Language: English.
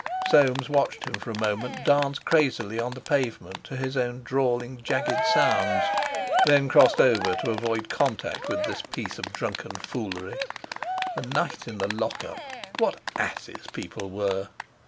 Soames watched him for a moment dance crazily on the pavement to his own drawling jagged sounds, then crossed over to avoid contact with this piece of drunken foolery. A night in the lock up! What asses people were!